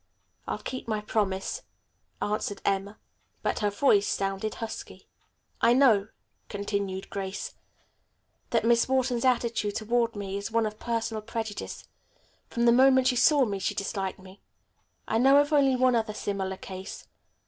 "I'll keep my promise," answered Emma, but her voice sounded husky. "I know," continued Grace, "that Miss Wharton's attitude toward me is one of personal prejudice. From the moment she saw me she disliked me. I know of only one other similar case.